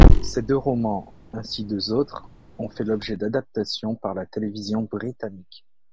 Ces deux romans, ainsi deux autres, ont fait l'objet d'adaptations par la télévision britannique.